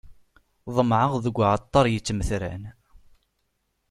Ḍemɛeɣ deg uɛeṭṭaṛ yittmetran.